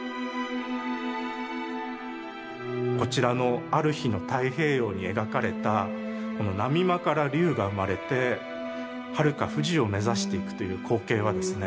こちらの「或る日の太平洋」に描かれた波間から龍がうまれてはるか富士を目指していくという光景はですね